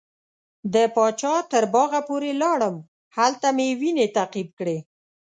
د پاچا تر باغه پورې لاړم هلته مې وینې تعقیب کړې.